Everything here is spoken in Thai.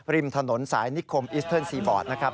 ริมถนนสายนิคมอิสเทิร์นซีบอร์ดนะครับ